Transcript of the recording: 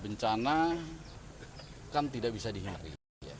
bencana kan tidak bisa dihindari